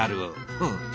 うん。